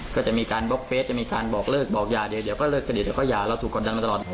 ก็จะมีการบล็อกเฟสจะมีการบอกเลิกบอกอย่าเดี๋ยวก็เลิกกันเดี๋ยวก็อย่าเราถูกกดดันมาตลอด